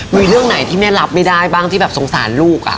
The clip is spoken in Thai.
มีเรื่องไหนที่แม่รับไม่ได้บ้างที่แบบสงสารลูก